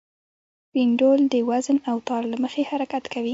پینډول د وزن او تار له مخې حرکت کوي.